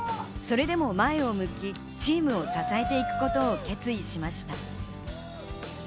それでも前を向き、チームを支えていくことを決意しました。